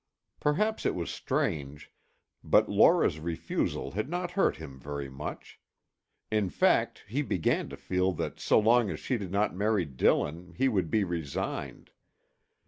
Perhaps it was strange, but Laura's refusal had not hurt him very much. In fact, he began to feel that so long as she did not marry Dillon he would be resigned.